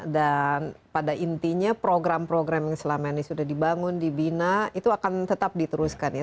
dan pada intinya program program yang selama ini sudah dibangun dibina itu akan tetap diteruskan ya